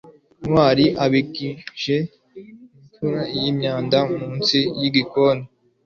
ntwali abika imifuka yimyanda munsi yigikoni